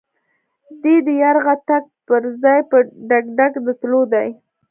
دی د يرغه تګ پر ځای په ډګډګ د تللو دی.